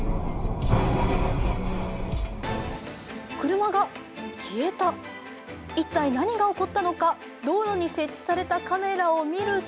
車が消えた、一体何が起こったのか、道路に設置されたカメラを見ると